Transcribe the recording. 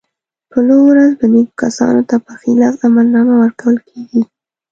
په لو ورځ به نېکو کسانو ته په ښي لاس عملنامه ورکول کېږي.